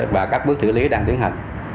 và các bước xử lý đang tiến hành